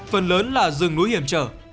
phần lớn là rừng núi hiểm trở